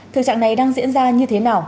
thực trạng này đang diễn ra như thế nào